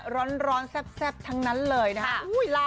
ร้อนแซ่บทั้งนั้นเลยนะฮะ